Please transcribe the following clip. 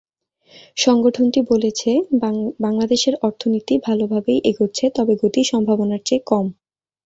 সংগঠনটি বলেছে, বাংলাদেশের অর্থনীতি ভালোভাবেই এগোচ্ছে, তবে গতি সম্ভাবনার চেয়ে কম।